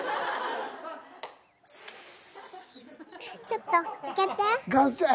ちょっと開けて。